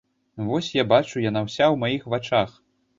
Вось я бачу, яна ўся ў маіх вачах.